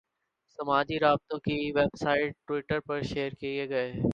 سماجی رابطوں کی ویب سائٹ ٹوئٹر پر شیئر کیے گئے